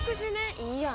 いいやん。